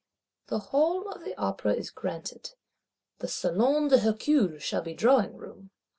—The Hall of the Opera is granted; the Salon d'Hercule shall be drawingroom.